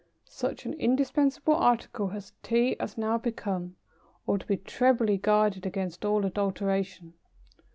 Such an indispensable article as Tea has now become, ought to be trebly guarded against all adulteration.